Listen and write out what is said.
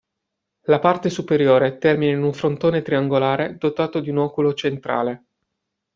La parte superiore termina in un frontone triangolare dotato di un oculo centrale.